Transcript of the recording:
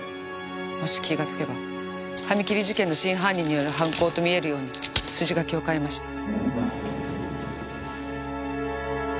もし気がつけば髪切り事件の真犯人による犯行と見えるように筋書きを変えました。